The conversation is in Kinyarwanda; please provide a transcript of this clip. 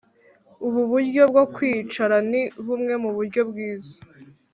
Ubu buryo bwo kwicara ni bumwe mu buryo bwiza